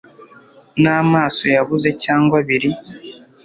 n'amaso yabuze cyangwa abiri